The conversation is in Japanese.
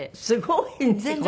すごいね。